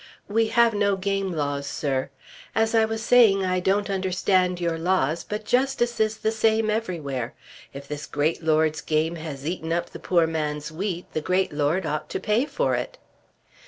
"We have no game laws, sir. As I was saying I don't understand your laws, but justice is the same everywhere. If this great lord's game has eaten up the poor man's wheat the great lord ought to pay for it."